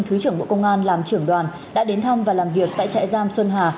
thứ trưởng bộ công an làm trưởng đoàn đã đến thăm và làm việc tại trại giam xuân hà